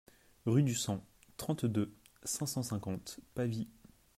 Rue du Sang, trente-deux, cinq cent cinquante Pavie